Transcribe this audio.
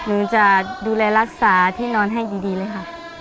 หนูจะดูแลรักษาที่นอนให้ดีเลยค่ะ